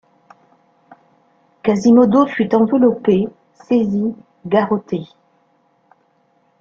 Quasimodo fut enveloppé, saisi, garrotté.